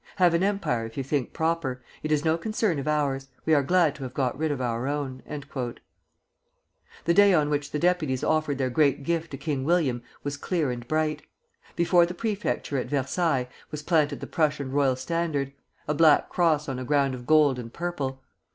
"Have an empire if you think proper. It is no concern of ours. We are glad to have got rid of our own." The day on which the deputies offered their great gift to King William was clear and bright. Before the prefecture at Versailles was planted the Prussian royal standard, a black cross on a ground of gold and purple.